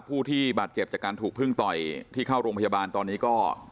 ผู้ที่บาดเจ็บจากการถูกพึ่งต่อยที่เข้าโรงพยาบาลตอนนี้ก็